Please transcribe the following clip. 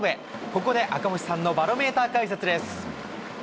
ここで赤星さんのバロメーター解説です。